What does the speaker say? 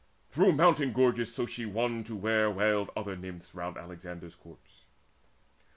Through mountain gorges so she won to where Wailed other Nymphs round Alexander's corpse.